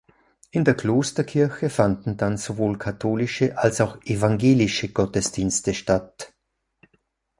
In der Klosterkirche fanden dann sowohl katholische als auch evangelische Gottesdienste statt.